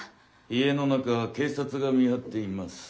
家の中は警察が見張っています。